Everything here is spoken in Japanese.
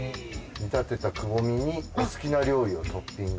見立てたくぼみにお好きな料理をトッピング。